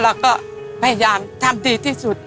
เราก็พยายามทำดีที่สุด